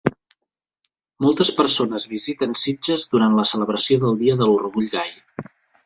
Moltes persones visiten Sitges durant la celebració del Dia de l'Orgull Gai.